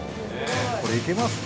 これいけますね。